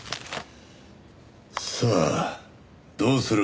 さあどうする？